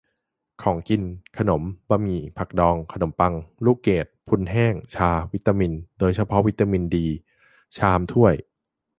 - ของกิน : ขนม บะหมี่ ผักดอง ขนมปัง ลูกเกด-พรุนแห้ง ชา วิตามิน โดยเฉพาะวิตามินดี ชาม ถ้วย